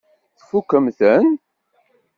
Tfukkem-ten?